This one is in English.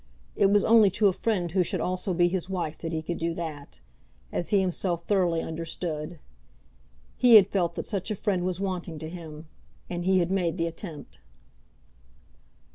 It was only to a friend who should also be his wife that he could do that, as he himself thoroughly understood. He had felt that such a friend was wanting to him, and he had made the attempt.